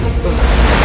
apa yang terjadi